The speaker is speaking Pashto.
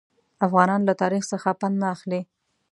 افغانان له تاریخ څخه پند نه اخلي.